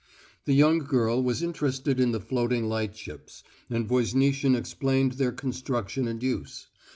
The young girl was interested in the floating light ships, and Voznitsin explained their construction and use.